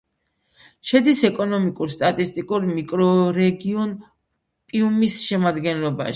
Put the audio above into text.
შედის ეკონომიკურ-სტატისტიკურ მიკრორეგიონ პიუმის შემადგენლობაში.